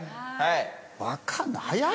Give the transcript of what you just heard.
わかんない。